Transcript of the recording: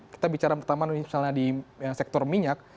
kita bicara pertama misalnya di sektor minyak